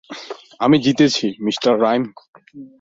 আমি জিতেছি, Mr rhyme.